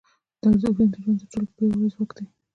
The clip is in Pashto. دا ارزښتونه د ژوند تر ټولو پیاوړي ځواک دي.